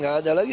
tidak ada lagi